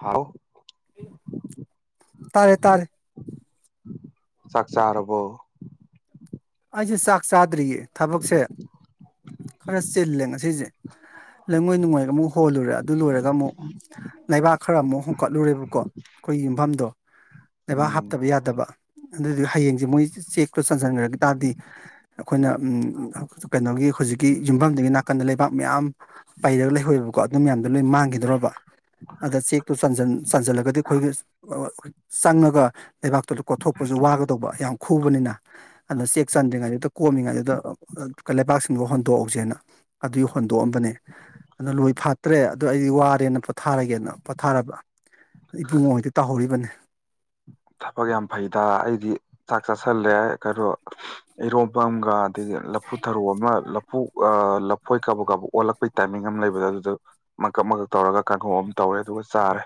ꯍꯥꯎ ꯇꯔꯦ ꯇꯔꯦ ꯆꯥꯛ ꯆꯥꯔꯕꯣ ꯑꯩꯁꯦ ꯆꯥꯛ ꯆꯥꯗ꯭ꯔꯤꯌꯦ ꯊꯕꯛꯁꯦ ꯈꯔ ꯆꯤꯜꯂꯦ ꯉꯁꯤꯁꯦ ꯂꯩꯉꯣꯏ ꯅꯨꯡꯉꯣꯏꯒ ꯑꯃꯨꯛ ꯍꯣꯜꯂꯨꯔꯦ ꯑꯗꯨ ꯂꯣꯏꯔꯒ ꯑꯃꯨꯛ ꯂꯩꯕꯥꯛ ꯈꯔ ꯑꯃꯨꯛ ꯍꯣꯡꯀꯠꯂꯨꯔꯦꯕꯀꯣ ꯑꯩꯈꯣꯏꯒꯤ ꯌꯨꯝꯐꯝꯗꯣ ꯂꯩꯕꯥꯛ ꯎꯝ ꯍꯥꯞꯇꯕ ꯌꯥꯗꯕ ꯑꯗꯨꯗꯤ ꯍꯌꯦꯡꯁꯦ ꯃꯣꯏ ꯆꯦꯛꯇꯣ ꯆꯟꯁꯤꯟꯈ꯭ꯔꯒ ꯇꯥꯗꯤ ꯑꯩꯈꯣꯏꯅ ꯀꯩꯅꯣꯒꯤ ꯍꯧꯖꯤꯛꯀꯤ ꯌꯨꯝꯐꯝꯗꯒꯤ ꯅꯥꯀꯟꯗ ꯂꯩꯕꯥꯛ ꯃꯌꯥꯝ ꯄꯩꯔꯒ ꯂꯩꯍꯧꯦꯕꯀꯣ ꯑꯗꯨ ꯃꯌꯥꯝꯗꯣ ꯂꯣꯏ ꯃꯥꯡꯈꯤꯗꯔꯕ ꯑꯗ ꯆꯦꯛꯇꯣ ꯆꯟꯁꯤꯜꯂꯒꯗꯤ ꯑꯩꯈꯣꯏꯒꯤ ꯆꯪꯉꯒ ꯂꯩꯕꯥꯛꯇꯨꯗ ꯀꯣꯊꯣꯛꯄꯁꯨ ꯋꯥꯒꯗꯧꯕ ꯌꯥꯝ ꯈꯨꯕꯅꯤꯅ ꯑꯗꯨꯗ ꯆꯦꯛ ꯆꯟꯗ꯭ꯔꯤꯉꯩꯗꯨꯗ ꯀꯣꯝꯃꯤꯉꯩꯗꯨꯗ ꯂꯩꯕꯥꯛꯁꯤꯡꯗꯣ ꯍꯣꯟꯗꯣꯛꯍꯧꯁꯦꯅ ꯑꯗꯨꯒꯤ ꯍꯣꯟꯗꯣꯛꯑꯝꯕꯅꯦ ꯑꯗꯨꯗ ꯂꯣꯏ ꯐꯥꯠꯇ꯭ꯔꯦ ꯑꯗꯨ ꯑꯩꯗꯤ ꯋꯥꯔꯦꯅ ꯄꯣꯊꯥꯔꯒꯦꯅ ꯄꯣꯊꯥꯔꯕ ꯏꯕꯨꯡꯉꯩꯛꯇ ꯇꯥꯍꯧꯔꯤꯕꯅꯤ ꯊꯕꯛ ꯌꯥꯝ ꯐꯩꯗ ꯑꯩꯗꯤ ꯆꯥꯛ ꯆꯥꯁꯤꯜꯂꯦ ꯀꯩꯅꯣ ꯏꯔꯣꯐꯝꯒ ꯑꯗꯒꯤ ꯂꯐꯨ ꯊꯔꯨ ꯑꯃ ꯂꯐꯨ ꯍꯣꯏ ꯀꯕ ꯀꯕ ꯑꯣꯜꯂꯛꯄꯒꯤ ꯇꯥꯏꯃꯤꯡ ꯑꯃ ꯂꯩꯕꯗꯣ ꯑꯗꯨꯗ ꯃꯀꯞ ꯃꯀꯛ ꯇꯧꯔꯒ ꯀꯥꯡꯈꯣꯡ ꯑꯃ ꯇꯧꯔꯦ ꯑꯗꯨꯒ ꯆꯥꯔꯦ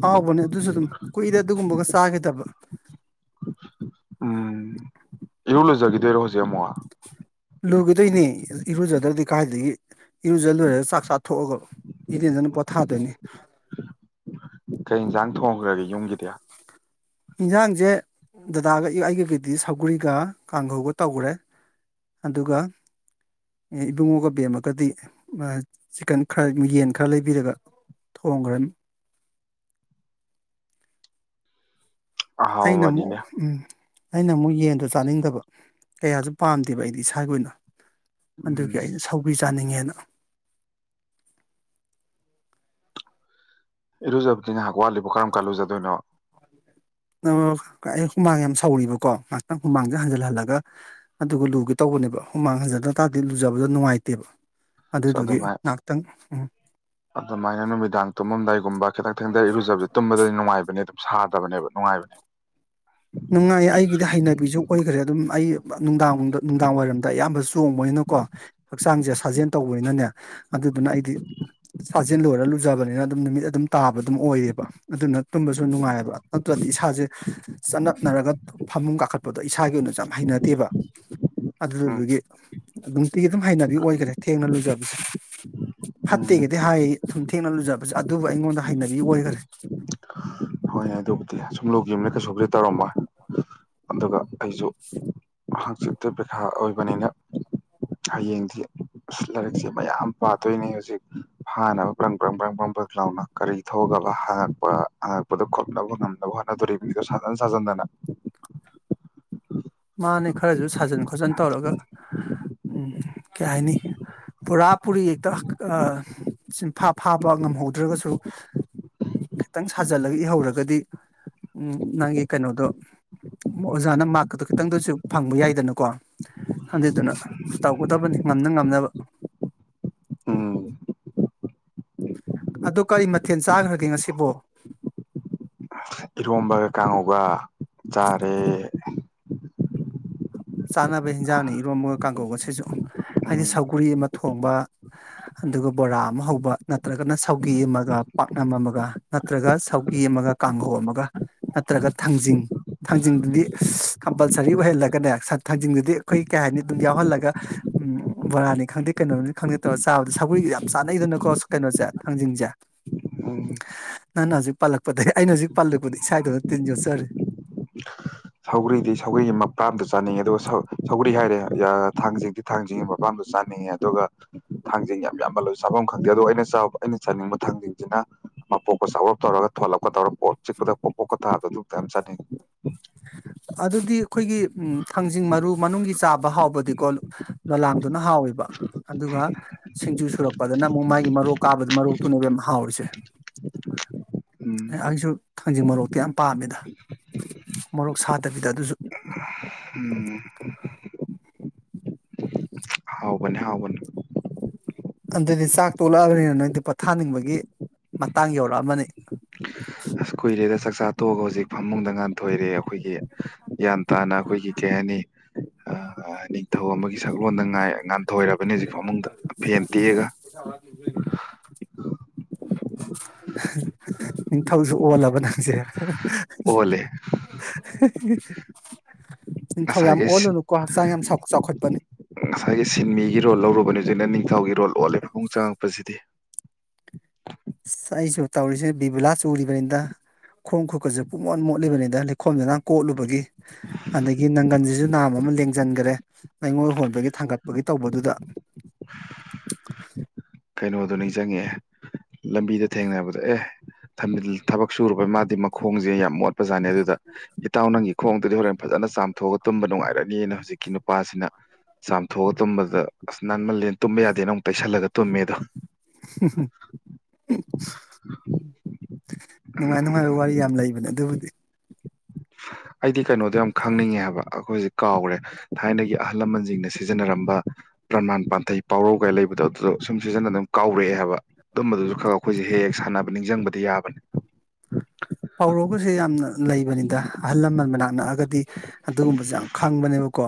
ꯍꯥꯎꯕꯅꯦ ꯑꯗꯨꯁꯨ ꯑꯗꯨꯝ ꯀꯨꯏꯗ ꯑꯗꯨꯒꯨꯝꯕꯒ ꯆꯥꯈꯤꯗꯕ ꯎꯝ ꯏꯔꯨ ꯂꯣꯏꯖꯈꯤꯗꯣꯏꯔꯣ ꯍꯧꯖꯤꯛ ꯑꯃꯨꯛ ꯂꯣꯏꯈꯤꯗꯣꯏꯅꯤ ꯏꯔꯨꯖꯗ꯭ꯔꯗꯤ ꯀꯥꯏꯗꯒꯤ ꯏꯔꯨꯖ ꯂꯣꯏꯔꯒ ꯆꯥꯛ ꯆꯥꯊꯣꯛꯑꯒ ꯏꯔꯦꯟꯗꯅ ꯄꯣꯊꯥꯗꯣꯏꯅꯤ ꯀꯩ ꯌꯦꯟꯁꯥꯡ ꯊꯣꯡꯈ꯭ꯔꯒꯦ ꯌꯨꯝꯒꯤꯗꯤ ꯏꯟꯁꯥꯡꯁꯦ ꯗꯗꯥꯒ ꯑꯩꯒꯒꯤꯗꯤ ꯁꯒꯔꯤꯒ ꯀꯥꯡꯈꯧꯒ ꯇꯧꯈ꯭ꯔꯦ ꯑꯗꯨꯒ ꯏꯕꯨꯡꯉꯣꯒ ꯕꯦꯝꯃꯒꯗꯤ ꯆꯤꯀꯟ ꯈꯔ ꯌꯦꯟ ꯈꯔ ꯂꯩꯕꯤꯔꯒ ꯊꯣꯡꯈ꯭ꯔꯅꯤ ꯑꯩꯅ ꯑꯍꯥꯎꯕꯅꯤꯅꯦ ꯑꯃꯨꯛ ꯎꯝ ꯑꯩꯅ ꯑꯃꯨꯛ ꯌꯦꯟꯗꯣ ꯆꯥꯅꯤꯡꯗꯕ ꯀꯌꯥꯁꯨ ꯄꯥꯝꯗꯦꯕ ꯑꯩꯗꯤ ꯏꯁꯥꯒꯤ ꯑꯣꯏꯅ ꯎꯝ ꯑꯗꯨꯒꯤ ꯑꯩꯅ ꯁꯧꯁ ꯆꯥꯅꯤꯡꯉꯦꯅ ꯏꯔꯨꯖꯕ ꯀꯅ ꯍꯥ ꯒꯋꯥꯂꯤ ꯂꯤꯕ ꯀꯔꯝ ꯀꯜꯂꯨꯖꯗꯣꯏꯅꯣ ꯑꯩ ꯍꯨꯃꯥꯡ ꯌꯥꯝ ꯁꯧꯔꯤꯕꯀꯣ ꯉꯥꯏꯍꯥꯛꯇꯪ ꯍꯨꯃꯥꯡꯁꯦ ꯍꯟꯖꯤꯟꯍꯜꯂꯒ ꯑꯗꯨꯒ ꯂꯨꯒꯦ ꯇꯧꯕꯅꯦꯕ ꯍꯨꯃꯥꯡ ꯍꯟꯖꯤꯟꯗ ꯇꯥꯔꯗꯤ ꯂꯨꯖꯕꯗꯣ ꯅꯨꯡꯉꯥꯏꯇꯦꯕ ꯑꯁ ꯑꯗꯨꯗꯨꯒꯤ ꯑꯗꯨꯃꯥꯏ ꯉꯥꯏꯍꯥꯛꯇꯪ ꯎꯝ ꯑꯗꯨꯃꯥꯏꯅ ꯅꯨꯃꯤꯗꯥꯡ ꯇꯨꯝꯃꯝꯗꯥꯏꯒꯨꯝꯕ ꯈꯤꯇꯪ ꯊꯪꯗ ꯏꯔꯨꯖꯕꯁ ꯇꯨꯝꯕꯗꯗꯤ ꯅꯨꯡꯉꯥꯏꯕꯅꯦ ꯁꯥꯗꯕꯅꯦꯕ ꯅꯨꯡꯉꯥꯏꯕꯅꯦꯕ ꯅꯨꯡꯉꯥꯏꯌꯦ ꯑꯩꯒꯤꯗꯤ ꯍꯩꯅꯕꯤꯁꯨ ꯑꯣꯏꯈ꯭ꯔꯦ ꯑꯗꯨꯝ ꯑꯩ ꯅꯨꯡꯗꯥꯡ ꯅꯨꯡꯗꯥꯡ ꯋꯥꯏꯔꯝꯗ ꯑꯌꯥꯝꯕ ꯆꯣꯡꯕꯅꯤꯅꯀꯣ ꯍꯛꯆꯥꯡꯁꯦ ꯁꯥꯖꯦꯜ ꯇꯧꯕꯅꯤꯅꯅꯦ ꯑꯗꯨꯗꯨꯅ ꯑꯩꯗꯤ ꯁꯥꯥꯖꯦꯜ ꯂꯣꯏꯔ ꯂꯨꯖꯕꯅꯤꯅ ꯑꯗꯨꯝ ꯅꯨꯃꯤꯠ ꯑꯗꯨꯝ ꯇꯥꯕ ꯑꯗꯨꯝ ꯑꯣꯏꯌꯦꯕ ꯑꯗꯨꯅ ꯇꯨꯝꯕꯁꯨ ꯅꯨꯡꯉꯥꯏꯑꯕ ꯅꯠꯇ꯭ꯔ ꯏꯁꯥꯁꯦ ꯆꯠꯅꯞꯅꯔꯒ ꯐꯃꯨꯡ ꯀꯥꯈꯠꯄꯗꯨ ꯑꯗꯣ ꯏꯁꯥꯒꯤ ꯑꯣꯏꯅ ꯌꯥꯝ ꯍꯩꯅꯗꯦꯕ ꯑꯗꯨ ꯎꯝ ꯑꯗꯨꯒꯤ ꯑꯗꯨ ꯇꯒꯤ ꯑꯗꯨꯝ ꯍꯩꯅꯕꯤ ꯑꯣꯏꯈꯔꯦ ꯊꯦꯡꯅ ꯂꯨꯖꯕ [unintelligible] ꯎꯝ ꯐꯠꯇꯒꯗꯤ ꯍꯥꯏ ꯊꯦꯡꯅ ꯂꯨꯖꯕꯁꯦ ꯑꯗꯨꯕꯨ ꯑꯩꯉꯣꯟꯗ ꯍꯩꯅꯕꯤ ꯑꯣꯏꯈ꯭ꯔꯦ ꯍꯣꯏꯅꯦ ꯑꯗꯨꯕꯨꯗꯤ ꯑꯁꯨꯝ ꯂꯨꯒꯤꯕꯅ ꯀꯩꯁꯨꯕꯨꯗꯤ ꯇꯧꯔꯝꯃꯣꯏ ꯑꯗꯨꯒ ꯑꯩꯁꯨ ꯍꯥꯡꯆꯤꯠꯇ ꯄꯔꯤꯈꯥ ꯑꯣꯏꯕꯅꯤꯅ ꯍꯌꯦꯡꯗꯤ ꯑꯁ ꯂꯥꯏꯔꯤꯛꯁꯦ ꯃꯌꯥꯝ ꯄꯥꯗꯣꯏꯅꯦ ꯍꯧꯖꯤꯛ ꯍꯥꯟꯅꯕ ꯕꯔꯪ ꯀꯕꯔꯪ ꯀꯕꯔꯪ ꯭ꯕꯔꯪ ꯕꯔꯪ ꯂꯥꯎꯅ ꯀꯔꯤ ꯊꯣꯛꯧꯑꯒꯕ ꯍꯥꯡꯉꯛꯄꯉꯛ ꯈꯨꯝꯅꯕ ꯉꯝꯅꯕ ꯍꯣꯠꯅꯗꯣꯔꯤꯕ ꯃꯤꯗꯣ ꯁꯥꯖꯟ ꯁꯥꯖꯟꯗꯅ ꯃꯥꯅꯦ ꯈꯔꯁꯨ ꯁꯥꯖꯟ ꯈꯣꯠꯆꯤꯟ ꯇꯧꯔꯒ ꯎꯝ ꯀꯩ ꯍꯥꯏꯅꯤ ꯄꯨꯔꯥ ꯄꯨꯔꯤ ꯍꯦꯛꯇ ꯁꯤꯐꯥ ꯐꯥꯕ ꯉꯝꯍꯧꯗ꯭ꯔꯒꯁꯨ ꯈꯤꯇꯪ ꯁꯥꯖꯤꯜꯂꯒ ꯏꯍꯧꯔꯒꯗꯤ ꯅꯪꯒꯤ ꯀꯩꯅꯣꯗꯣ ꯑꯣꯖꯥꯅ ꯈꯤꯇꯪꯗꯁꯨ ꯐꯪꯕ ꯌꯥꯏꯗꯅꯀꯣ ꯑꯗꯨꯗꯨꯅ ꯇꯧꯒꯗꯕꯅꯤ ꯉꯝꯅ ꯉꯝꯅꯕ ꯎꯝ ꯑꯗꯨ ꯀꯔꯤ ꯃꯊꯦꯜ ꯆꯥꯈ꯭ꯔꯒꯦ ꯉꯁꯤꯕꯣ ꯏꯔꯣꯝꯕꯒ ꯀꯥꯡꯉꯧꯒ ꯆꯥꯔꯦ ꯆꯥꯅꯕ ꯍꯤꯟꯖꯥꯡꯅꯤ ꯏꯔꯣꯝ ꯑꯃꯒ ꯀꯥꯡꯒꯧꯒꯁꯤꯁꯨ ꯍꯥꯏꯗꯤ ꯎꯝ ꯁꯧꯒꯔꯤ ꯑꯃ ꯊꯣꯡꯕ ꯑꯗꯨꯒ ꯕꯣꯔꯥ ꯑꯃ ꯍꯧꯕ ꯅꯠꯇ꯭ꯔꯒꯅ ꯁꯧꯒꯤ ꯑꯃꯒ ꯄꯥꯛꯅꯝ ꯑꯃꯒ ꯅꯠꯇ꯭ꯔꯒ ꯁꯧꯒꯤ ꯑꯃꯒ ꯀꯥꯡꯍꯧ ꯑꯃꯒ ꯅꯠꯇ꯭ꯔꯒ ꯊꯥꯡꯖꯤꯡ ꯊꯥꯡꯖꯤꯡꯗꯨꯗꯤ ꯀꯝꯄꯜꯁꯔꯤ ꯑꯣꯏꯍꯜꯂꯒꯅꯦ ꯊꯥꯡꯖꯤꯡꯗꯨꯗꯤ ꯑꯩꯈꯣꯏ ꯀꯩ ꯍꯥꯏꯅꯤ ꯑꯗꯨꯝ ꯌꯥꯎꯍꯜꯂꯒ ꯕꯣꯔꯥꯅꯤ ꯈꯪꯗꯦ ꯀꯩꯅꯣꯅꯤ ꯈꯪꯗꯦ ꯇꯧꯔꯒ ꯆꯥꯕꯗ ꯁꯒꯔꯤꯒ ꯌꯥꯝ ꯆꯥꯟꯅꯩꯗꯅꯀꯣ ꯀꯩꯅꯣꯁꯦ ꯊꯥꯡꯖꯤꯡꯁꯦ ꯎꯝ ꯅꯪꯅ ꯍꯧꯖꯤꯛ ꯄꯥꯜꯂꯛꯄꯗꯒꯤ ꯑꯩꯅ ꯍꯧꯖꯤꯛ ꯄꯥꯜꯂꯛꯄꯗ ꯏꯁꯥꯗꯨꯗ ꯇꯤꯟ ꯌꯣꯠꯆꯔꯤ ꯁꯧꯒꯔꯤ ꯍꯥꯏꯔꯦ ꯊꯥꯡꯖꯤꯡꯗꯤꯤ ꯊꯥꯡꯖꯤꯡꯒꯤ ꯃꯄꯥꯝꯗꯣ ꯆꯥꯅꯤꯡꯉꯦ ꯑꯗꯨꯒ ꯊꯥꯡꯖꯤꯡ ꯌꯥꯝ ꯌꯥꯝꯃꯜ ꯂꯣꯏ ꯆꯥꯐꯝ ꯈꯪꯗꯦ ꯑꯗꯣ ꯑꯩꯅ ꯑꯩꯅ ꯆꯥꯅꯤꯡꯕ ꯊꯥꯡꯖꯤꯡꯁꯤꯅ ꯃꯄꯣꯛꯀ ꯆꯥꯎꯔꯞ ꯇꯧꯔꯒ ꯊꯣꯂꯞꯄꯀ ꯇꯧꯔꯒ ꯄꯣ ꯆꯤꯛꯄꯗ ꯄꯣꯛꯄꯣꯛꯀ ꯇꯥꯕꯗꯨꯃꯛꯇ ꯌꯥꯝ ꯆꯥꯅꯤꯡꯉꯦ ꯑꯗꯨꯗꯤ ꯑꯩꯈꯣꯏꯒꯤ ꯊꯥꯡꯖꯤꯡ ꯃꯔꯨ ꯃꯅꯨꯡꯒꯤ ꯆꯥꯕ ꯍꯥꯎꯕꯗꯤꯀꯣ ꯂꯂꯥꯡꯗꯨꯅ ꯍꯥꯎꯋꯦꯕ ꯑꯗꯨꯒ ꯁꯤꯡꯖꯨ ꯁꯨꯔꯛꯄꯗꯅ ꯑꯃꯨꯛ ꯃꯥꯒꯤ ꯃꯔꯣꯛ ꯀꯥꯕꯗ ꯃꯔꯣꯛꯇꯨꯅꯦꯕ ꯌꯥꯝ ꯍꯥꯎꯔꯤꯁꯦ ꯎꯝ ꯑꯩꯁꯨ ꯊꯥꯡꯖꯤꯡ ꯃꯔꯣꯛꯇꯤ ꯌꯥꯝ ꯄꯥꯝꯃꯦꯗ ꯃꯔꯣꯔꯣꯛ ꯁꯥꯗꯕꯤꯗ ꯑꯗꯨꯁꯨ ꯎꯝ [unintelligible] ꯑꯗꯨꯗꯤ ꯆꯥꯛ ꯇꯣꯛꯂꯛꯑꯕꯅꯤꯅ ꯅꯣꯏꯗꯤ ꯄꯣꯊꯥꯅꯤꯡꯕꯒꯤ ꯃꯇꯥꯡ ꯌꯧꯔꯛꯑꯃꯅꯤ ꯑꯁ ꯀꯨꯏꯔꯦꯗ ꯆꯥꯛꯆꯥ ꯇꯣꯛꯑꯒ ꯍꯧꯖꯤꯛ ꯐꯃꯨꯡꯗ ꯉꯥꯟꯊꯣꯏꯔꯦ ꯑꯩꯈꯣꯏꯒꯤ ꯟ ꯇꯥꯅ ꯑꯩꯈꯣꯏꯒꯤ ꯀꯩ ꯍꯥꯏꯅꯤ ꯑ ꯏꯊꯧ ꯑꯃꯒꯤ ꯁꯛꯂꯣꯟꯗ ꯉꯥꯏ ꯉꯥꯟꯊꯣꯏꯔꯕꯅꯤ ꯍꯧꯖꯤꯛ ꯐꯃꯨꯡꯗ ꯐꯦꯟ ꯇꯦꯛꯑꯒ ꯅꯤꯡ ꯅꯤꯡꯊꯧꯁꯨ ꯑꯣꯜꯂꯕ ꯅꯪꯁꯦ ꯑꯣꯂꯦ ꯍ ꯍ ꯊꯧ ꯌꯥꯝ ꯉꯁꯥꯏꯈꯩ ꯑꯣꯜꯂꯨꯅꯨꯣꯥꯡ ꯌꯥꯝ ꯆꯈꯠ ꯑꯅꯤ ꯉꯁꯥꯏꯒꯤ ꯁꯤꯟꯃꯤꯒꯤ ꯔꯣꯜ ꯂꯧꯔꯨꯕꯅꯦ ꯍꯧꯖꯤꯅ ꯅꯤꯡꯊꯧꯒꯤ ꯔꯣꯜ ꯑꯣꯜꯂꯦ ꯐꯃꯨꯡ ꯆꯪꯉꯛꯄꯁꯤꯗꯤ ꯑꯁ ꯑꯩꯁꯨ ꯇꯧꯔꯤꯁꯦ ꯕꯤꯕꯨꯂꯥ ꯆꯨꯔꯤꯕꯅꯤꯗ ꯈꯣꯡ ꯈꯨꯀꯠꯁꯨ ꯄꯨꯡꯃꯣꯟ ꯃꯣꯠꯂꯤꯕꯅꯤꯗ ꯂꯩꯈꯣꯝꯁꯤ ꯅꯪ ꯀꯣꯠꯂꯨꯕꯒꯤ ꯑꯗꯒꯤ ꯅꯪꯒꯟꯁꯤꯁꯨ ꯅꯥꯝ ꯑꯃ ꯂꯦꯡꯁꯤꯟꯈꯔꯦ ꯂꯩꯉꯣꯏ ꯍꯣꯟꯕꯒꯤ ꯊꯥꯡꯒꯠꯄꯒꯤ ꯇꯧꯕꯗꯨꯗ ꯀꯩꯅꯣꯗꯨ ꯅꯤꯡ ꯆꯪꯉꯛꯑꯦ ꯂꯝꯕꯤꯗ ꯊꯦꯡꯅꯕꯗ ꯑꯦ ꯊꯕꯛ ꯁꯨꯨꯔꯕꯩ ꯃꯥꯗꯤ ꯃꯈꯣꯡꯁꯦ ꯌꯥꯝ ꯃꯣꯠ ꯄ꯭ꯔꯖꯥꯅꯦ ꯑꯗꯨꯗ ꯏꯇꯥꯎ ꯅꯪꯒꯤ ꯈꯣꯡꯗꯗꯤ ꯍꯣꯔꯦꯟ ꯐꯖꯅ ꯆꯥꯝꯊꯣꯛꯑꯒ ꯇꯨꯝꯕ ꯅꯨꯡꯉꯥꯏꯔꯅꯤꯅ ꯍꯧꯖꯤꯛꯀꯤ ꯅꯨꯄꯥꯁꯤꯅ ꯆꯥꯝꯊꯣꯛꯑꯒ ꯇꯨꯝꯕꯗ ꯑꯁ ꯅꯟꯃꯜꯂꯦꯅ ꯇꯨꯝꯕ ꯌꯥꯗꯦ ꯅ ꯑꯃꯨꯛ ꯇꯩꯁꯜꯂꯒ ꯇꯨꯝꯃꯦ [inaudible] ꯎ ꯅꯨꯡꯉꯥꯏ ꯅꯨꯡꯉꯥꯏꯕ ꯋꯥꯔꯤ ꯌꯥꯝ ꯂꯩꯕꯅꯦ ꯑꯗꯨꯕꯨꯗꯤ ꯎ ꯑꯩꯗꯤ ꯀꯩꯅꯣꯗꯣ ꯌꯥꯝ ꯈꯪꯅꯤꯡꯉꯦ ꯍꯥꯏꯕ ꯑꯩꯈꯣꯏꯁꯦ ꯀꯥꯎꯔꯦ ꯊꯥꯏꯅꯒꯤ ꯑꯍꯜ ꯂꯃꯟꯁꯤꯡꯅ ꯁꯤꯖꯤꯟꯅꯔꯝꯕ ꯄ꯭ꯔꯃꯥꯟ ꯄꯥꯟꯊꯩ ꯄꯥꯎꯔꯧꯒꯩ ꯂꯩꯕꯗꯣ ꯑꯗꯨꯗ ꯁꯨꯝ ꯁꯤꯖꯤꯟꯅ ꯑꯗꯨꯝ ꯀꯥꯎꯔꯛꯑꯦ ꯍꯥꯏꯕ ꯑꯗꯨꯝꯕꯗꯨꯁꯨ ꯈ ꯑꯩꯈꯣꯏꯁꯦ ꯍꯦꯛ ꯍꯦꯛ ꯁꯥꯟꯅꯕ ꯅꯤꯡꯁꯤꯡꯕꯗꯤ ꯌꯥꯕꯅꯦ ꯄꯥꯎꯔꯒꯁꯦ ꯌꯥꯝꯅ ꯂꯩꯕꯅꯤꯗ ꯑꯍꯜ ꯂꯃꯟ ꯃꯅꯥꯛ ꯅꯛꯑꯒꯗꯤ ꯑꯗꯨꯒꯨꯝꯕꯁꯦ ꯌꯥꯝ ꯈꯪꯕꯅꯦꯕꯀꯣ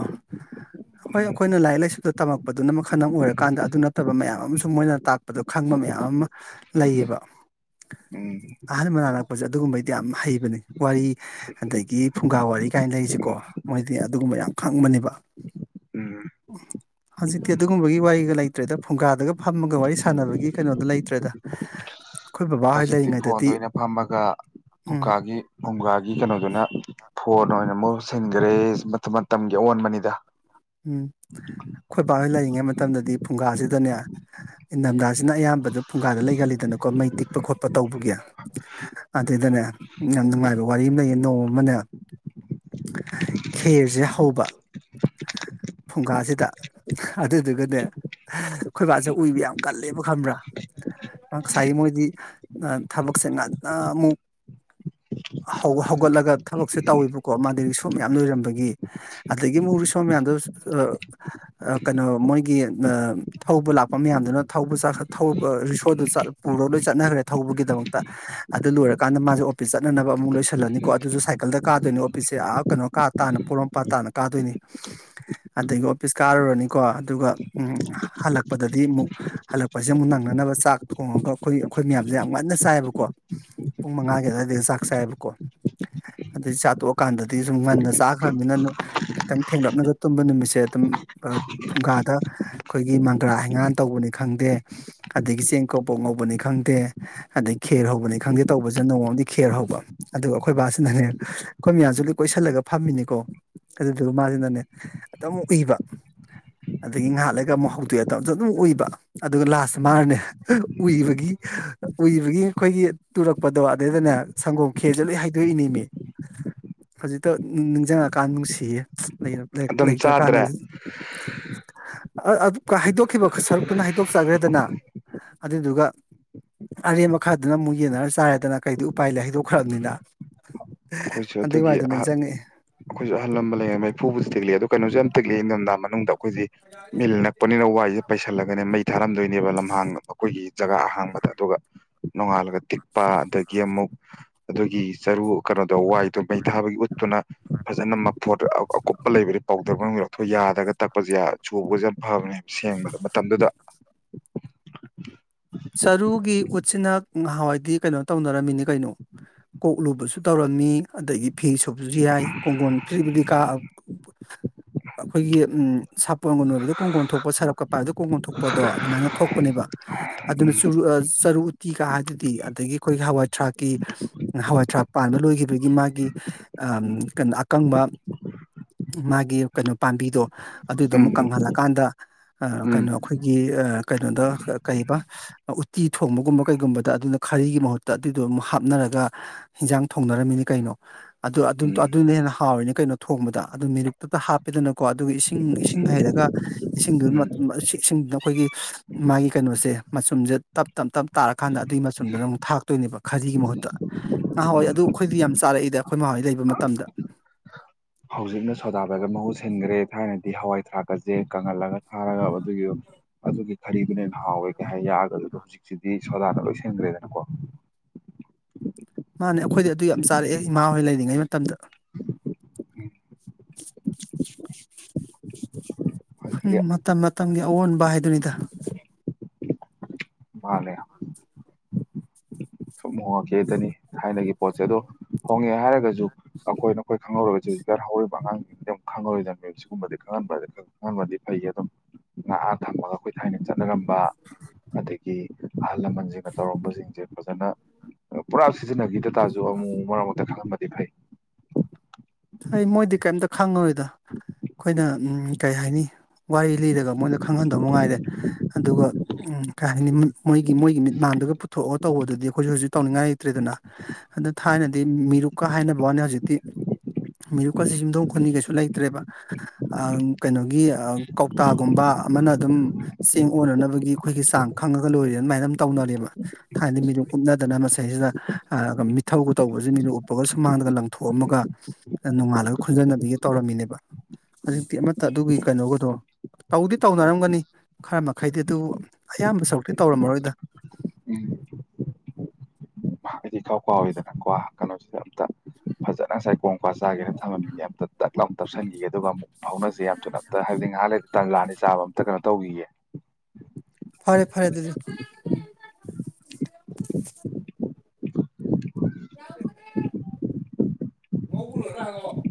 ꯍꯣꯏ ꯑꯩꯈꯣꯏꯅ ꯂꯥꯏꯔꯤꯛ ꯂꯥꯏꯁꯨꯗ ꯇꯝꯃꯛꯄꯗꯨꯅ ꯃꯈꯜ ꯑꯣꯏꯔꯀꯥꯟꯗ ꯑꯗꯨ ꯅꯠꯇꯕ ꯃꯌꯥꯝ ꯑꯃꯁꯨ ꯃꯣꯏꯅ ꯇꯥꯛꯄꯗꯣ ꯈꯪꯕ ꯃꯌꯥꯝ ꯑꯃ ꯂꯩꯌꯦꯕ ꯎꯝ ꯑꯍꯃ ꯑꯗꯨꯒꯨꯝꯕꯩꯗꯤ ꯌꯥꯝ ꯍꯩꯕꯅꯤ ꯋꯥꯔꯤ ꯑꯗꯒꯤ ꯐꯨꯡꯒꯥ ꯋꯥꯔꯤ ꯀꯥꯏꯅ ꯂꯩꯔꯤꯁꯤꯀꯣ ꯃꯣꯏꯗꯤ ꯑꯗꯨꯒꯨꯝꯕ ꯌꯥꯝ ꯈꯪꯕꯅꯦꯕ ꯎꯝ ꯎ ꯍꯧꯖꯤꯛꯇꯤ ꯑꯗꯨꯒꯨꯝꯕꯒꯤ ꯋꯥꯔꯤꯒ ꯂꯩꯇ꯭ꯔꯦꯗ ꯐꯨꯡꯒꯥꯗꯒ ꯐꯝꯃꯒ ꯋꯥꯔꯤ ꯁꯥꯟꯅꯕꯒꯤ ꯀꯩꯅꯣꯗꯣ ꯂꯩꯇ꯭ꯔꯦꯗ ꯑꯩꯈꯣꯏ ꯕꯕꯥ ꯍꯣꯏ ꯍꯧꯖꯤꯛꯇꯤ ꯐꯣꯟꯗ ꯂꯩꯔꯤꯉꯩꯗꯗꯤ ꯑ ꯑꯣꯏꯅ ꯐꯝꯃꯒ ꯎꯝ ꯎꯀꯥꯒꯤ ꯐꯨꯝꯒꯥꯒꯤ ꯀꯩꯅꯣꯗꯨꯅ ꯐꯣꯟ ꯑꯣꯏꯅ ꯃꯍꯨ ꯁꯤꯟꯈꯔꯦ ꯃꯇꯝ ꯃꯇꯝꯒꯤ ꯑꯑꯣꯟꯕꯅꯤꯗ ꯎꯝ ꯈꯣꯏ ꯕꯣꯏ ꯂꯦ ꯍꯪꯉꯩ ꯃꯇꯝꯗꯗꯤ ꯐꯨꯡꯒꯥꯁꯤꯗꯅꯦ ꯏꯊꯝꯊꯥꯁꯤꯅ ꯑꯌꯥꯝꯕꯗ ꯐꯨꯡꯒꯥꯗ ꯂꯩꯒꯜꯂꯤꯗꯅꯀꯣ ꯃꯩ ꯇꯤꯛꯄ ꯈꯣꯠꯄ ꯇꯧꯕꯒꯤ ꯑꯗꯨꯏꯗꯅꯦ ꯌꯥꯝ ꯅꯨꯡꯉꯥꯏꯕ ꯋꯥꯔꯤ ꯑꯃ ꯂꯩꯌꯦ ꯅꯣꯡꯃꯅꯦ ꯈꯦꯔꯁꯦ ꯍꯧꯕ ꯐꯨꯡꯒꯥꯁꯤꯗ ꯑꯗꯨꯗꯨꯒꯅꯦ ꯑꯩꯈꯣꯏꯕꯥꯁꯦ ꯎꯏꯕ ꯌꯥꯝ ꯀꯜꯂꯦꯕ ꯈꯟꯕ꯭ꯔꯥ ꯉꯁꯥꯏꯒꯤ ꯃꯣꯏꯗꯤ ꯊꯕꯛꯁꯦ ꯉꯟꯅ ꯑꯃꯨꯛ ꯍꯧꯒꯠꯂꯒ ꯊꯕꯛꯁꯦ ꯇꯧꯋꯦꯕꯀꯣ ꯃꯥꯗꯤ ꯔꯤꯁꯣꯝ ꯃꯌꯥꯝ ꯂꯣꯏꯔꯝꯕꯒꯤ ꯑꯗꯒꯤ ꯑꯃꯨꯛ ꯔꯤꯁꯣ ꯃꯌꯥꯝꯗꯣ ꯀꯩꯅꯣ ꯃꯣꯏꯒꯤ ꯊꯧꯕ ꯂꯥꯛꯄ ꯃꯌꯥꯝꯗꯨꯅ ꯊꯧꯕ ꯔꯤꯁꯣꯗꯨ ꯄꯨꯔꯒ ꯂꯣꯏ ꯆꯠꯅꯈ꯭ꯔꯦ ꯊꯧꯕꯒꯤꯗꯃꯛꯇ ꯑꯗꯨ ꯂꯣꯏꯔꯀꯥꯟꯗ ꯃꯥꯁꯦ ꯑꯣꯄꯤꯁ ꯆꯠꯅꯅꯕ ꯑꯃꯨꯛ ꯂꯣꯏꯁꯤꯜꯂꯅꯤꯀꯣ ꯑꯗꯨꯁꯨ ꯁꯥꯏꯀꯜꯗ ꯀꯥꯗꯣꯏꯅꯤ ꯑꯣꯄꯤꯁꯁꯦ ꯀꯩꯅꯣ ꯀꯥ ꯇꯥꯅ ꯄꯣꯔꯣ ꯃꯄꯥ ꯇꯥꯅ ꯀꯥꯗꯣꯏꯅꯤ ꯑꯗꯒꯤ ꯑꯣꯐꯤꯁ ꯀꯥꯔꯨꯔꯅꯤꯀꯣ ꯑꯗꯨꯒ ꯍꯜꯂꯛꯄꯗꯗꯤ ꯑꯃꯨꯛ ꯍꯜꯂꯛꯄꯁꯦ ꯑꯃꯨꯛ ꯅꯪꯅꯅꯕ ꯆꯥꯛ ꯊꯣꯡꯉꯒ ꯑꯩꯈꯣꯏ ꯑꯩꯈꯣꯏ ꯃꯌꯥꯝꯁꯦ ꯌꯥꯝ ꯉꯟꯅ ꯆꯥꯏꯌꯦꯕꯀꯣ ꯄꯨꯡ ꯃꯉꯥꯒꯤ ꯑꯗꯨꯋꯥꯏꯗ ꯆꯥꯛ ꯆꯥꯏꯌꯦꯕꯀꯣ ꯑꯗꯨꯗꯩ ꯆꯥ ꯇꯣꯛꯑꯀꯥꯟꯗꯗꯤ ꯁꯨꯝ ꯉꯟꯅ ꯆꯥꯈ꯭ꯔꯕꯅꯤꯅ ꯈꯤꯇꯪ ꯊꯦꯡꯒꯞꯅꯕꯒ ꯇꯨꯝꯕ ꯅꯨꯃꯤꯠ ꯁꯦ ꯑꯗꯨꯝ ꯐꯨꯡꯒꯥꯗ ꯑꯩꯈꯣꯏꯒꯤ ꯃꯪꯒ꯭ꯔꯥ ꯍꯩꯒꯥꯥꯟ ꯇꯧꯕꯅꯤ ꯈꯪꯗꯦ ꯑꯗꯒꯤ ꯆꯦꯡ ꯀꯣꯛꯄꯣꯛ ꯉꯧꯕꯅꯤ ꯈꯪꯗꯦ ꯑꯗꯩ ꯈꯦꯔ ꯍꯧꯕꯅꯤ ꯈꯪꯗꯦ ꯇꯧꯕꯁꯅ ꯅꯣꯡꯃꯝꯗꯤ ꯈꯦꯔ ꯍꯧꯕ ꯑꯗꯨꯒ ꯑꯩꯈꯣꯏꯕꯥꯁꯤꯅꯅꯦ ꯑꯩꯈꯣꯏ ꯃꯌꯥꯝꯁꯨ ꯂꯣꯏ ꯀꯣꯏꯁꯤꯜꯂꯒ ꯐꯝꯃꯤꯅꯤꯀꯣ ꯑꯗꯨꯗꯨꯒ ꯃꯥꯁꯤꯅꯅꯦ ꯈꯤꯇꯪ ꯑꯃꯛ ꯎꯏꯕ ꯑꯗꯒꯤ ꯉꯍꯥꯛꯂꯒ ꯑꯃꯨꯛ ꯍꯧꯗꯣꯛꯑꯦꯗ ꯑꯗꯨꯝ ꯎꯏꯕ ꯑꯗꯨꯒ ꯂꯥꯁꯇ ꯃꯥꯅꯅꯦ ꯎꯏꯕꯒꯤ ꯎꯏꯕꯒꯤ ꯑꯩꯈꯣꯏꯒꯤ ꯇꯨꯔꯛꯄꯗꯣ ꯑꯗꯨꯗꯩꯗꯅꯦ ꯁꯪꯒꯣꯝ ꯈꯦꯔꯁꯦ ꯂꯣꯏ ꯍꯩꯗꯣꯛꯏꯅꯤ ꯃꯤ ꯍꯧꯖꯤꯛꯇ ꯅꯤꯡꯁꯤꯡꯉꯀꯥꯟꯗ ꯅꯨꯡꯁꯤꯌꯦ ꯂꯩꯔ ꯑꯗꯨꯝ ꯆꯥꯗ꯭ꯔꯦ ꯑ ꯑ ꯑ ꯍꯥꯏꯗꯣꯛꯈꯤꯕ ꯁꯔꯨꯛꯇꯨꯅ ꯍꯥꯏꯩꯗꯣꯛꯆꯈ꯭ꯔꯦꯗꯅ ꯑꯗꯨꯏꯗꯨꯒ ꯑꯔꯦꯝꯕ ꯈꯔꯗꯨꯅ ꯑꯃꯨꯛ ꯌꯦꯟꯅꯔ ꯆꯥꯔꯦꯗꯅ ꯀꯩꯗ ꯎꯄꯥꯏꯗ ꯍꯥꯏꯗꯣꯛꯈ꯭ꯔꯕꯅꯤꯅ ꯑꯈꯣꯏꯁꯨ ꯑꯗꯨꯒꯤ ꯑꯍ ꯑꯈꯣꯏꯖꯨ ꯑꯍꯜ ꯂꯃ ꯂꯩꯌꯃꯩ ꯐꯨꯕꯖꯨ ꯊꯤꯛꯂꯤ ꯑꯗꯣ ꯀꯩꯅꯣꯖꯦꯝ ꯄꯤꯛꯂꯤ ꯏꯟꯗꯝꯗ ꯃꯅꯨꯡꯗ ꯈꯣꯏꯗꯤ ꯃꯤꯜ ꯅꯛꯄꯅꯤꯅ ꯋꯥꯏ ꯌꯨ ꯄꯩꯁꯜꯂꯒꯅꯦ ꯃꯩ ꯊꯔꯝꯗꯣꯏꯟ ꯅꯦꯕ ꯂꯝꯍꯥꯡꯅ ꯑꯈꯣꯏꯒꯤ ꯖꯒꯥ ꯑꯍꯥꯡꯕꯗ ꯑꯗꯨꯒ ꯅꯣꯡꯉꯥꯜꯂꯒ ꯇꯤꯛꯄ ꯑꯗꯒꯤ ꯑꯃꯨꯛ ꯑꯗꯨꯒꯤ ꯆꯔꯨ ꯀꯅ ꯗꯣ ꯋꯥꯏꯗꯣ ꯃꯩ ꯊꯥꯕꯒꯤ ꯎꯠꯇꯨꯅ ꯐꯖꯅ ꯃꯐꯣꯠꯗ ꯑ ꯑꯀꯨꯞꯄ ꯂꯩꯕꯗꯤ ꯄꯥꯎꯗꯔ ꯃꯅꯨꯡꯗ ꯌꯧꯊ ꯌꯥꯠ ꯑꯒ ꯇꯛꯄꯁꯦ ꯆꯣꯛꯄꯁꯦ ꯌꯥꯝ ꯐꯕꯅꯦ ꯁꯦꯡꯕꯗ ꯃꯇꯝꯗꯨꯗ ꯆꯔꯨꯒꯤ ꯎꯠꯁꯤꯅ ꯉꯍꯥꯟꯋꯥꯏꯗꯤ ꯀꯩꯅꯣ ꯇꯧꯅꯔꯝꯃꯤꯅꯤ ꯀꯩꯅꯣ ꯀꯣꯛꯂꯨꯕꯁꯨ ꯇꯧꯔꯝꯃꯤ ꯑꯗꯒꯤ ꯐꯤ ꯁꯨꯕꯁꯨ ꯌꯥꯏ ꯀꯣꯡꯒꯣꯟ ꯐꯤꯔꯤ ꯐꯤꯂꯤꯀꯥ ꯑꯈꯣꯏꯒꯤ ꯎꯝ ꯁꯥꯄꯣꯟꯒꯟ ꯑꯣꯏꯕꯗ ꯀꯣꯡꯒꯣꯝ ꯊꯣꯛꯄ ꯁꯔꯞꯀ ꯄꯥꯏꯕꯗ ꯀꯣꯡꯒꯣꯝ ꯊꯣꯛꯄꯗꯣ ꯑꯗꯨꯃꯥꯏꯅ ꯊꯣꯛꯄꯅꯦꯕ ꯑꯗꯨꯅ ꯎꯝ ꯆ ꯆꯔꯨ ꯎꯇꯤꯒ ꯍꯥꯏꯗꯨꯗꯤ ꯑꯗꯒꯤ ꯑꯩꯈꯣꯏꯒꯤ ꯍꯋꯥꯏ ꯊꯔꯥꯛꯀꯤ ꯍꯋꯥꯏ ꯊꯔꯥꯛ ꯄꯥꯟꯕ ꯂꯣꯏꯈꯤꯕꯒꯤ ꯃꯥꯒꯤ ꯀꯩꯅꯣ ꯑꯀꯪ ꯕ ꯃꯥꯒꯤ ꯀꯩꯅꯣ ꯄꯥꯝꯕꯤꯗꯣ ꯑꯗꯨꯗꯣ ꯎꯝ ꯑꯃꯨꯛ ꯀꯪꯍꯜꯂꯀꯥꯟꯗ ꯑ ꯎꯝ ꯀꯩꯅꯣ ꯑꯈꯣꯏꯒꯤ ꯑ ꯀꯩꯅꯣꯗ ꯀꯔꯤꯕ ꯎꯠꯇꯤ ꯊꯣꯡꯕꯒꯨꯝꯕ ꯀꯩꯒꯨꯝꯕꯗ ꯑꯗꯨꯅ ꯈꯥꯔꯤꯒꯤ ꯃꯍꯨꯠꯇ ꯑꯗꯨꯏꯗꯣ ꯑꯃꯨꯛ ꯍꯥꯞꯅꯔꯒ ꯍꯤꯟꯖꯥꯡ ꯊꯣꯡꯅꯔꯝꯃꯤꯅꯤ ꯀꯩꯅꯣ ꯑꯗꯨ ꯑꯗꯨ ꯎꯝ ꯎꯝ ꯑꯗꯨꯅ ꯍꯦꯟꯅ ꯍꯥꯎꯔꯤꯅꯦ ꯀꯩꯅꯣ ꯊꯣꯡꯕꯗ ꯑꯗꯨ ꯃꯤꯔꯨꯛꯇꯨꯗ ꯍꯥꯞꯄꯤꯗꯅ ꯀꯣ ꯑꯗꯨꯒ ꯏꯁꯤꯡ ꯏꯁꯤꯡ ꯍꯩꯔꯒ ꯎꯝ ꯏꯁꯤꯡꯗꯨꯅ ꯏꯁꯤꯡꯗꯨꯅ ꯑꯩꯈꯣꯏꯒꯤ ꯃꯥꯒꯤ ꯀꯩꯅꯣꯁꯦ ꯃꯆꯨꯝꯁꯦ ꯇꯞ ꯇꯞ ꯇꯞ ꯇꯥꯔꯀꯥꯟꯗ ꯑꯗꯨꯒꯤ ꯃꯆꯨꯝꯗꯨꯅ ꯑꯃꯨꯛ ꯊꯥꯛꯇꯣꯏꯅꯦꯕ ꯈꯥꯖꯤꯒꯤ ꯃꯍꯨꯠꯇ ꯉꯥꯏꯍꯥꯟꯋꯥꯏ ꯎꯝ ꯑꯗꯨ ꯈꯣꯏꯗꯤ ꯌꯥꯝ ꯆꯥꯔꯛꯏꯗ ꯈꯣꯏ ꯃ ꯍꯣꯏ ꯂꯩꯕ ꯃꯇꯝꯗ ꯍꯧꯖꯤꯛꯅ ꯁꯣꯗꯥ ꯕꯥꯏꯒꯞ ꯃꯍꯨ ꯁꯤꯟꯈ꯭ꯔꯦ ꯊꯥꯏꯅꯗꯤ ꯍꯋꯥꯏ ꯊꯔꯥꯛꯀꯁꯦ ꯀꯪꯍꯜꯂꯒ ꯊꯥꯔꯒ ꯑꯗꯨꯒꯤ ꯑꯗꯨꯒꯤ ꯈꯔꯤꯗꯨꯅꯟꯅ ꯍꯥꯎꯋꯦ ꯀꯩ ꯍꯥꯏ ꯌꯥꯒ ꯑꯗꯨꯗ ꯍꯧꯖꯤꯛꯁꯤꯗꯤ ꯁꯣꯗꯥꯗ ꯂꯣꯏ ꯁꯟꯈ꯭ꯔꯦꯗꯅꯀꯣ ꯃꯥꯅꯦ ꯑꯩꯈꯣꯏꯗ ꯑꯗꯨ ꯌꯥꯝ ꯆꯥꯔꯛꯑꯦ ꯏꯃꯥꯍꯣꯏ ꯂꯩꯔꯤꯉꯩ ꯃꯇꯝꯗ ꯑꯗꯒꯤ ꯎꯝ ꯃꯝ ꯃꯇꯝꯒꯦ ꯑꯑꯣꯟꯕ ꯍꯥꯏꯗꯨꯅꯤꯗ ꯃꯅꯦ ꯁꯨꯝ ꯍꯣꯡꯉꯛꯀꯦꯗꯅꯤ ꯊꯥꯏꯅꯒꯤ ꯄꯣꯠꯁꯦ ꯑꯗꯣ ꯍꯣꯡꯉꯦ ꯍꯥꯏꯔꯒꯁꯨ ꯑꯩꯈꯣꯏꯅ ꯑꯩꯈꯣꯏ ꯈꯪꯍꯧꯔꯒꯁꯨ ꯍꯧꯖꯤꯛꯀꯔ ꯍꯧꯔꯤꯕ ꯑꯉꯥꯡꯁꯤꯡꯗꯤ ꯑꯗꯨꯝ ꯈꯪꯍꯧꯔꯤꯣꯏꯗꯕꯅꯦꯕ ꯁꯤꯒꯨꯝꯕꯗꯤ ꯈꯪꯍꯟꯕ ꯈꯪꯍꯟꯕꯗꯤ ꯐꯩꯌꯦ ꯑꯗꯨꯝ ꯉꯥꯏꯍꯥ ꯊꯝꯃꯒ ꯑꯩꯈꯣꯏ ꯊꯥꯏꯅ ꯆꯠ ꯅꯔꯝꯕ ꯑꯗꯒꯤ ꯗꯤ ꯑꯍꯜ ꯂꯃꯟꯁꯤꯡꯅ ꯇꯧꯔꯝꯕꯁꯤꯡꯁꯦ ꯐꯖꯅ ꯄꯨꯔꯥ ꯁꯤꯖꯤꯟꯅꯕꯤꯗ ꯇꯥꯁꯨ ꯑꯃꯨꯛ ꯃꯔꯛ ꯃꯔꯛꯇ ꯈꯪꯍꯟꯕ ꯥꯐꯩ ꯍꯩ ꯃꯣꯏꯗꯤ ꯀꯩꯝꯇ ꯈꯪꯉꯔꯣꯏꯗ ꯑꯩꯈꯣꯏꯅ ꯎꯝ ꯀꯩ ꯍꯥꯏꯅꯤ ꯋꯥꯔꯤ ꯂꯤꯔꯒ ꯃꯣꯏꯗ ꯈꯪꯍꯟꯗꯕ ꯃꯉꯥꯏꯔꯦ ꯑꯗꯨꯒ ꯀꯥ ꯍꯥꯏꯅꯤ ꯃꯣꯏꯒꯤ ꯃꯣꯏꯒꯤ ꯃꯤꯠꯃꯥꯡꯗꯨꯒ ꯄꯨꯊꯣꯛꯑ ꯇꯧꯕꯗꯨꯗꯤ ꯑꯩꯈꯣꯏꯁꯨ ꯍꯧꯖꯤꯛ ꯇꯧꯅꯤꯡꯉꯥꯏ ꯂꯩꯇ꯭ꯔꯦꯗꯅ ꯑꯗ ꯊꯥꯏꯅꯗꯤ ꯃꯤꯔꯨꯛꯀ ꯍꯥꯏꯅꯕ ꯋꯥꯅꯤ ꯍꯧꯖꯤꯛꯇꯤ ꯃꯤꯔꯨꯞꯀꯁꯤ ꯌꯨꯝꯊꯣꯡ ꯈꯨꯗꯤꯡ ꯀꯩꯁꯨ ꯂꯩꯇ꯭ꯔꯦꯕ ꯀꯩꯅꯣꯒꯤ ꯑꯥ ꯀꯧꯇꯥꯒꯨꯝꯕ ꯑꯃꯅ ꯑꯗꯨꯝ ꯆꯦꯡ ꯑꯣꯟꯅꯅꯕꯒꯤ ꯑꯩꯈꯣꯏꯒꯤ ꯆꯥꯡ ꯈꯪꯉꯒ ꯂꯣꯏꯔꯦꯅ ꯑꯗꯨꯃꯥꯏꯅ ꯑꯗꯨꯝ ꯇꯧꯅꯔꯦꯕ ꯊꯥꯏꯅꯗꯤ ꯃꯤꯔꯨꯝ ꯎꯞꯅꯗꯅ ꯃꯁꯩꯁꯤꯗ ꯃꯤꯊꯧꯒ ꯇꯧꯕꯁꯤ ꯃꯤꯔꯨꯞ ꯎꯞꯄꯒ ꯁꯨꯃꯥꯡꯗꯒ ꯂꯪꯊꯣꯛꯑꯝꯃꯒ ꯅꯣꯡꯉꯥꯜꯂꯒ ꯈꯨꯟꯖꯟꯅꯕꯤꯒꯦ ꯇꯧꯔꯝꯃꯤꯅꯦꯕ ꯎꯝ ꯍꯧꯖꯤꯛꯇꯤ ꯑꯃꯠꯇ ꯑꯗꯨꯒꯤ ꯀꯩꯅꯣꯒꯗꯣ ꯇꯧꯗꯤ ꯇꯧꯅꯔꯝꯒꯅꯤ ꯈꯔ ꯃꯈꯩꯗꯤ ꯑꯗꯨꯕꯨ ꯑꯌꯥꯝꯕ ꯁꯔꯨꯛꯇꯤ ꯇꯧꯔꯝꯃꯔꯣꯏꯗ ꯎꯝ ꯑꯩꯏꯗꯤ ꯏꯀꯥꯎ ꯀꯥꯎꯋꯤꯗꯅ ꯀꯋꯥ ꯀꯩꯅꯣꯁꯤꯗ ꯑꯝꯇ ꯐꯖꯅ ꯉꯁꯥꯏ ꯀꯣꯡ ꯀꯋꯥ ꯆꯥꯒꯦꯅ ꯊꯝꯃꯝꯃꯤꯅꯦ ꯑꯝꯇ ꯇꯛꯂꯥꯎꯅ ꯇꯞꯁꯤꯟꯈꯤꯒꯦ ꯑꯗꯨꯒ ꯑꯃꯨꯛ ꯐꯥꯎꯅꯁꯦ ꯌꯥꯝ ꯊꯨꯅ ꯑꯝꯇ ꯍꯥꯏꯕꯗꯤ ꯉꯍꯥꯛ ꯂꯩꯔꯗꯤ ꯇꯟꯂꯥꯅꯤ ꯆꯥꯕ ꯑꯝꯇ ꯀꯩꯅꯣ ꯇꯧꯈꯤꯒꯦ ꯐꯔꯦ ꯐꯔꯦ ꯑꯗꯨꯗꯤ ꯉꯧꯕ ꯂꯣꯢꯔꯒ ꯍꯥꯢꯔꯛꯑꯣ